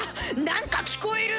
何か聞こえる！